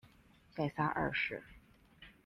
盖萨二世。